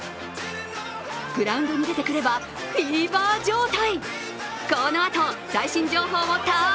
グラウンドに出てくればフィーバー状態！